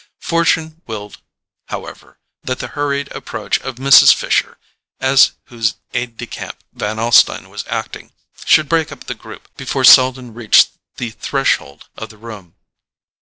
Fortune willed, however, that the hurried approach of Mrs. Fisher, as whose aide de camp Van Alstyne was acting, should break up the group before Selden reached the threshold of the room.